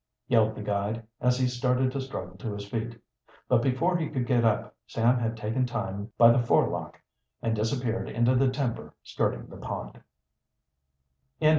yelled the guide, as he started to struggle to his feet. But before he could get up, Sam had taken time by the forelock and disappeared into the timber skirting the pond.